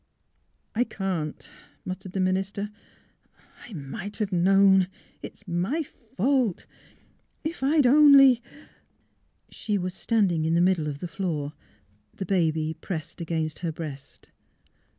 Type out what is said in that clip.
"'' I — I can't," muttered the minister. '' I might have known — It's my fault. ... If I'd only '*. THE LOED GAVE 347 She was standing in the middle of the floor, the baby pressed against her breast.